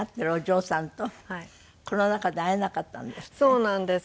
そうなんです。